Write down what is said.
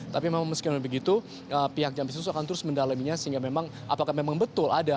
tapi memang meskipun begitu pihak jampisus akan terus mendalaminya sehingga memang apakah memang betul ada